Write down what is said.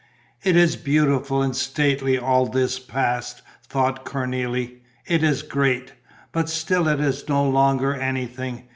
"It is beautiful and stately, all this past," thought Cornélie. "It is great. But still it is no longer anything.